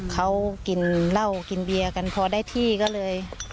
เขากินเหล้ากินเบียร์กันพอได้ที่ก็เลย